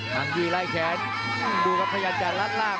หังดีลายแขนดูครับพยันตร์จะลัดล่าง